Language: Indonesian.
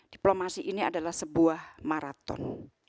diplomasi ini adalah sebuah maraton